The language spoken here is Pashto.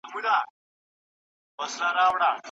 په لاس لیکلنه د وړو ګامونو ایښودل دي چي لوی منزل ته رسیږي.